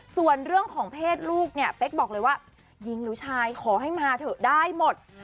ส่วนเรื่องของเพศลูกเนี่ยเป๊กบอกเลยว่าหญิงหรือชายขอให้มาเถอะได้หมด